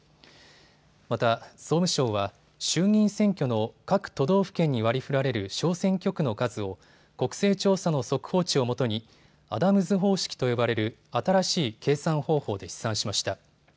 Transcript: また、総務省は衆議院選挙の各都道府県に割りふられる小選挙区の数を国勢調査の速報値をもとにアダムズ方式と呼ばれる新しい計算方法で試算しました。